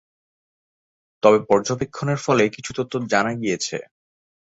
তবে পর্যবেক্ষণের ফলে কিছু তথ্য জানা গিয়েছে।